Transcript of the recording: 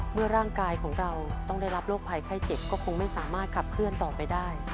เมื่อร่างกายของเราต้องได้รับโรคภัยไข้เจ็บก็คงไม่สามารถขับเคลื่อนต่อไปได้